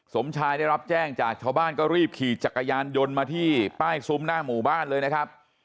สมชายได้รับแจ้งจากชาวบ้านก็รีบขี่จักรยานยนต์มาที่ป้ายซุ้มหน้าหมู่บ้านเลยนะครับ